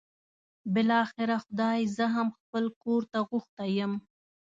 بالاخره خدای زه هم خپل کور ته غوښتی یم.